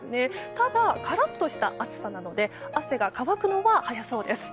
ただ、カラッとした暑さなので汗が乾くのは早そうです。